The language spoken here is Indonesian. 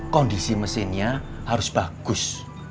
kondisi mesinnya harus bagus